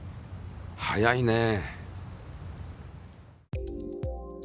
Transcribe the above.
速いねえ。